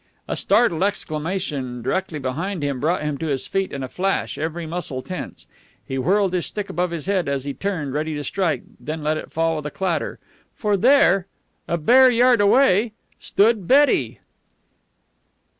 A startled exclamation directly behind him brought him to his feet in a flash, every muscle tense. He whirled his stick above his head as he turned, ready to strike, then let it fall with a clatter. For there, a bare yard away, stood Betty.